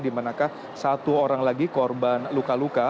di manakah satu orang lagi korban luka luka